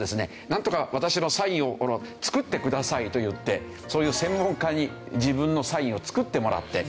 なんとか私のサインを作ってくださいといってそういう専門家に自分のサインを作ってもらって。